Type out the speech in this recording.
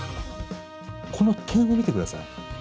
この点を見て下さい。